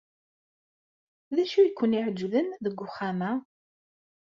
D acu ay ken-iɛejben deg uxxam-a?